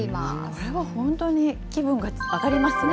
これは本当に気分が上がりますね。